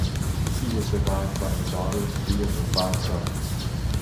She was survived by her daughter and three of her five sons.